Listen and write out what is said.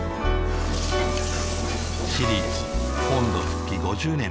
「シリーズ本土復帰５０年」